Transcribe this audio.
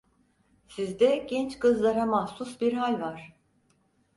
Sizde genç kızlara mahsus bir hal var…